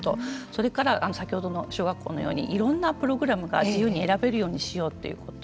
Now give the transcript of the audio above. それから先ほどの小学校のようにいろんなプログラムが自由に選べるようにしようということ。